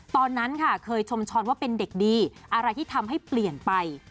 ตอนนั้นค่ะเคยชมช้อนว่าเป็นเด็กดีอะไรที่ทำให้เปลี่ยนไป